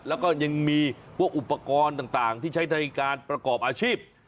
แล้วก็ยังมีพวกอุปกรณ์ต่างที่ใช้ในการประกอบอาชีพ